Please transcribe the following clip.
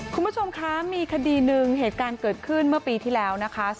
คุณผู้ชมคะมีคดีหนึ่งเหตุการณ์เกิดขึ้นเมื่อปีที่แล้วนะคะ